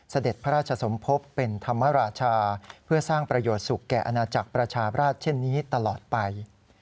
เสด็จพระราชสมภพเป็นธรรมราชาเพื่อสร้างประโยชน์สุขแก่อาณาจักรประชาบราชเช่นนี้ตลอดไป